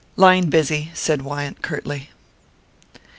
"Line busy," said Wyant curtly.